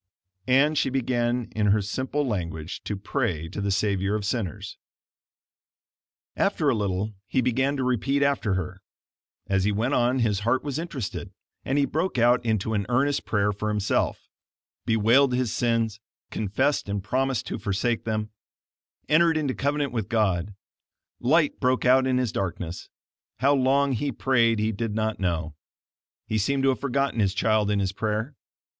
And she began in her simple language to pray to the Savior of sinners. After a little he began to repeat after her; as he went on his heart was interested, and he broke out into an earnest prayer for himself; bewailed his sins, confessed and promised to forsake them; entered into covenant with God; light broke out in his darkness; how long he prayed he did not know; he seemed to have forgotten his child in his prayer.